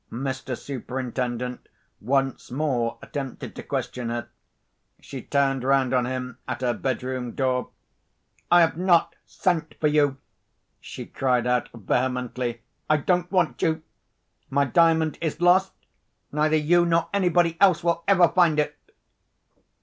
Mr. Superintendent once more attempted to question her. She turned round on him at her bedroom door. "I have not sent for you!" she cried out vehemently. "I don't want you. My Diamond is lost. Neither you nor anybody else will ever find it!"